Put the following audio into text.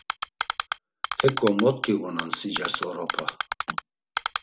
Heǩo mot giğunan sicaş oropa